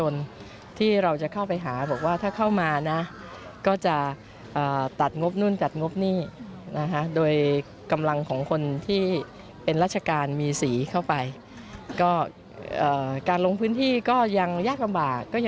นั่นแหละมาติดตามอยู่นะคะ